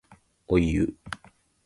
おいう